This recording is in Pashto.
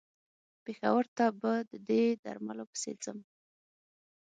پېښور ته به د دې درملو پسې ځم.